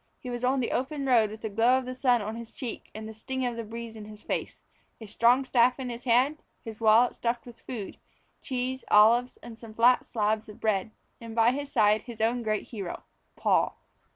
He was on the open road with the glow of the sun on his cheek and the sting of the breeze in his face; a strong staff in his hand; with his wallet stuffed with food cheese, olives, and some flat slabs of bread; and by his side his own great hero, Paul.